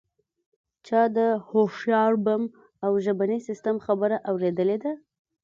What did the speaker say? چا د هوښیار بم او ژبني سیستم خبره اوریدلې ده